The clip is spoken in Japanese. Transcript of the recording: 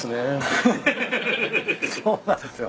そうなんすよ。